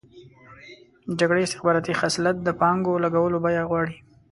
د جګړې استخباراتي خصلت د پانګو لګولو بیه غواړي.